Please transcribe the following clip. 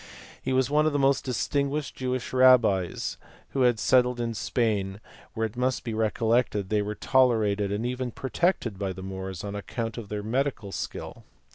He was one of the most distinguished Jewish rabbis who had settled in Spain, where it must be recollected that they were tolerated and even protected by the Moors on account of their medical skill.